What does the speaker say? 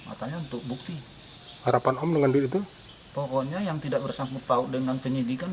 alasannya untuk bukti harapan om dengan diri itu pokoknya yang tidak bersangkutau dengan penyidikan